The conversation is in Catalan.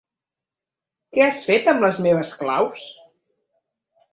Què has fet amb les meves claus?